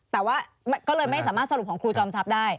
แต่ว่าก็เลยไม่สามารถสรุปของครูจอมทรัพย์ได้